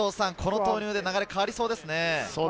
この投入で流れが変わりそうですね。